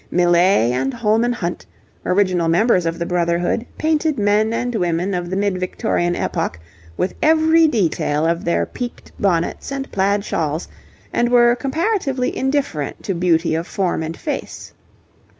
Millais and Holman Hunt, original members of the Brotherhood, painted men and women of the mid Victorian epoch with every detail of their peaked bonnets and plaid shawls, and were comparatively indifferent to beauty of form and face.